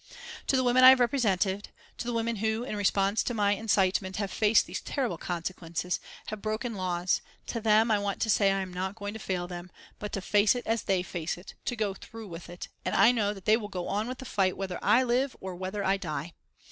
"_To the women I have represented, to the women who, in response to my incitement, have faced these terrible consequences, have broken laws, to them, I want to say I am not going to fail them, but to face it as they face it, to go through with it, and I know that they will go on with the fight whether I live or whether I die.